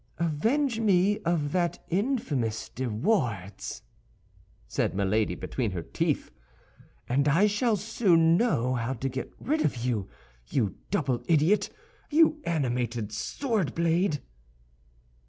"Avenge me of that infamous De Wardes," said Milady, between her teeth, "and I shall soon know how to get rid of you—you double idiot, you animated sword blade!"